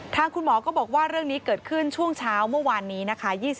ทางคุณหมอก็บอกว่าเรื่องนี้เกิดขึ้นช่วงเช้าเมื่อวานนี้นะคะ